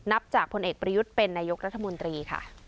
นับจากพลเอกประยุทธ์เป็นนายกรัฐมนตรีค่ะ